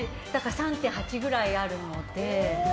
３．８くらいあるので。